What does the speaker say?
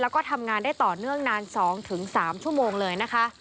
และทำงานได้ต่อเนื่องนาน๒๓ชั่วโมงเลย